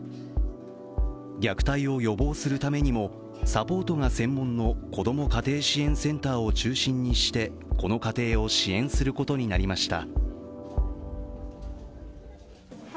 虐待を予防するためにもサポートが専門の子ども家庭支援センターを中心にしてこの家庭を支援することになりました。